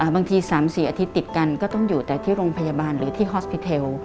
บางที๓๔อาทิตย์ติดกันก็ต้องอยู่แต่ที่โรงพยาบาลหรือที่ฮอสปิเทล